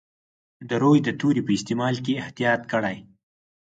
د روي د توري په استعمال کې احتیاط کړی.